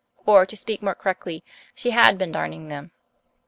Or, to speak more correctly, she had been darning them.